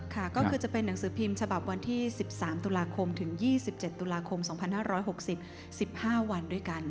ค่ะก็คือจะเป็นหนังสือพิมพ์ฉบับวันที่๑๓ตุลาคมถึง๒๗ตุลาคม๒๕๖๐๑๕วันด้วยกัน